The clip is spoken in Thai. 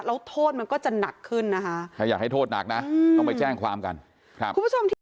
แล้วโทษมันก็จะหนักขึ้นนะคะใครอยากให้โทษหนักนะต้องไปแจ้งความกันครับ